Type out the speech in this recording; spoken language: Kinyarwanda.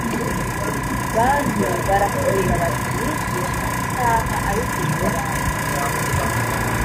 bantu baramubwira bati Mwigisha cyaha abigishwa bawe